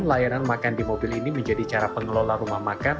layanan makan di mobil ini menjadi cara pengelola rumah makan